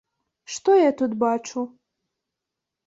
Што я тут бачу?